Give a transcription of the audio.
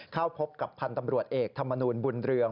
เข้าพบกับพันธ์ตำรวจเอกธรรมนูลบุญเรือง